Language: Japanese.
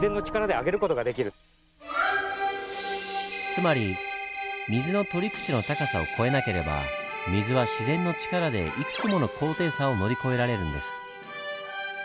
つまり水の取り口の高さを超えなければ水は自然の力でいくつもの高低差を乗り越えられるんです。